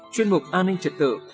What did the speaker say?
chuyên mục an ninh trật tự